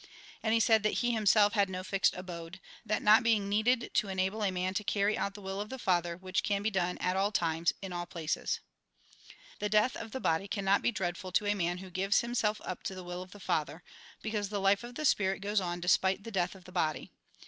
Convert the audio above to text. And he said that he himself had no fixed abode ; that not being needed to enable a man to carry out the will of the Father, which can be done at all times, in all places. The death of the body cannot be dreadful to a man who gives himself up to the will of the Father, because the life of the Spirit goes on despite the death of the body.